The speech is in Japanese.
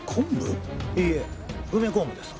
いいえ梅昆布です。